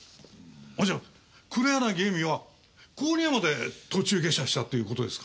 あっじゃあ黒柳恵美は郡山で途中下車したということですか？